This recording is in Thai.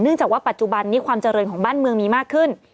จากว่าปัจจุบันนี้ความเจริญของบ้านเมืองมีมากขึ้น